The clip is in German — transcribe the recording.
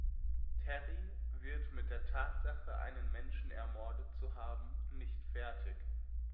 Terry wird mit der Tatsache, einen Menschen ermordet zu haben, nicht fertig.